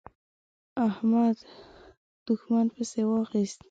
احمد؛ دوښمن پسې واخيست.